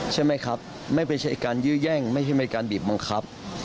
ใช่ไหมครับไม่ใช่การยื้อแย่งไม่ใช่มีการบีบบังคับ